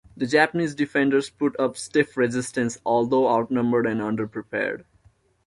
The Japanese defenders put up stiff resistance, although outnumbered and under-prepared.